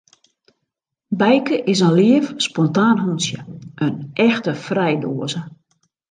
Bijke is in leaf, spontaan hûntsje, in echte frijdoaze.